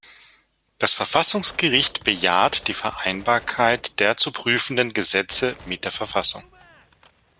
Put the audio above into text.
Das Verfassungsgericht bejaht die Vereinbarkeit der zu prüfenden Gesetze mit der Verfassung.